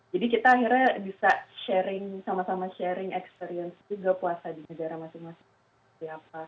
jadi kita akhirnya bisa sharing sama sama sharing experience juga puasa di negara masing masing